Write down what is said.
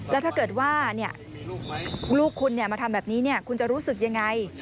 แล้วถ้าเกิดว่าลูกคุณมาทำแบบนี้คุณจะรู้สึกยังไง